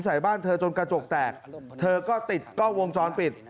ใส่บ้านเธอจนกระจกแตกเธอก็ติดกล้องวงจรปิด